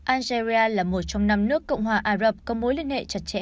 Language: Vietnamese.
algeria là một trong năm nước cộng hòa ả rập có mối liên hệ chặt chẽ